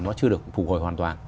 nó chưa được phục hồi hoàn toàn